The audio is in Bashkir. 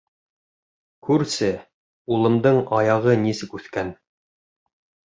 — Күрсе, улымдың аяғы нисек үҫкән.